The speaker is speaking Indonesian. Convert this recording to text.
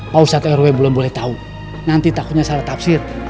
pausat rw belum boleh tahu nanti takutnya salah tafsir